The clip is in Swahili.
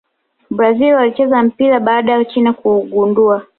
brazil walicheza mpira baada ya china kuugundua